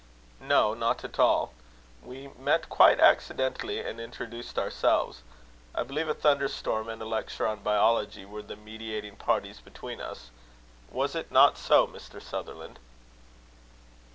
"Not at all. We met quite accidentally, and introduced ourselves. I believe a thunderstorm and a lecture on biology were the mediating parties between us. Was it not so, Mr. Sutherland?"